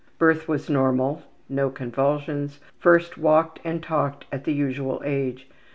Birth was normal. No convulsions. First walked and talked at the usual age.